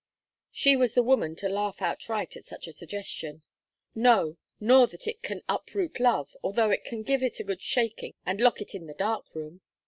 She was the woman to laugh outright at such a suggestion. "No, nor that it can uproot love, although it can give it a good shaking and lock it in the dark room.